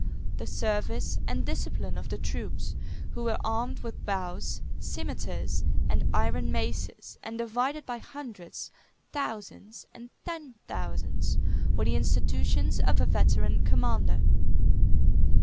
The service and discipline of the troops, who were armed with bows, cimeters, and iron maces, and divided by hundreds, thousands, and ten thousands, were the institutions of a veteran commander.